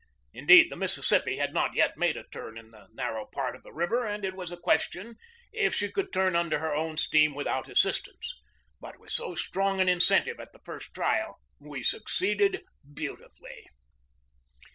Indeed, the Mississippi had not yet made a turn in the narrow part of the river, and it was a question if she could turn under her own steam without assistance. But with so strong an incentive at the first trial we succeeded beautifully.